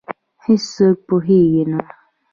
هیڅوک پوهېږې نه،